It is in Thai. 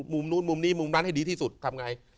มุมนู้นมุมนี้มุมนั้นให้ดีที่สุดทำไง